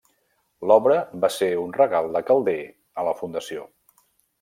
L'obra va ser un regal de Calder a la fundació.